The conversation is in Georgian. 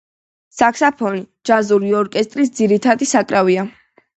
საქსოფონი ჯაზური ორკესტრის ძირითადი საკრავია.